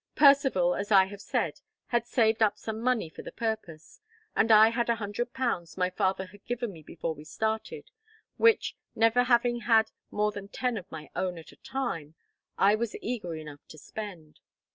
Percivale, as I have said, had saved up some money for the purpose, and I had a hundred pounds my father had given me before we started, which, never having had more than ten of my own at a time, I was eager enough to spend.